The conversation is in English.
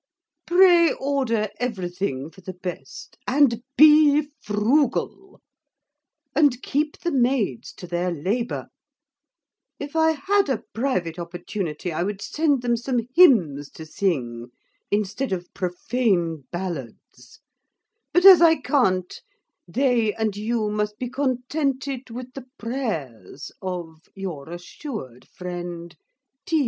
Pray order every thing for the best, and be frugal, and keep the maids to their labour If I had a private opportunity, I would send them some hymns to sing instead of profane ballads; but, as I can't, they and you must be contented with the prayers of Your assured friend, T.